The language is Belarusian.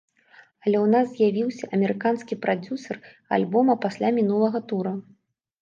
Але ў нас з'явіўся амерыканскі прадзюсар альбома пасля мінулага тура.